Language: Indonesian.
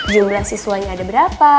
jumlah siswanya ada berapa